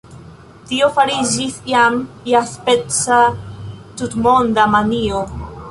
Tio fariĝis jam iaspeca tutmonda manio.